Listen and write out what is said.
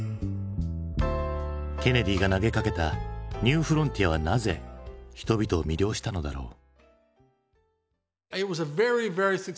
ケネディが投げかけたニューフロンティアはなぜ人々を魅了したのだろう？